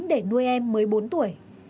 để nuôi em mới bốn tuổi